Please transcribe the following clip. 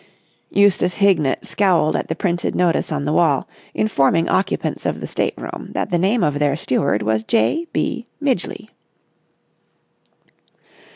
Eustace Hignett scowled at the printed notice on the wall, informing occupants of the state room that the name of their steward was J. B. Midgeley.